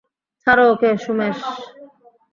ছাড়ো ওকে, সুমেশ।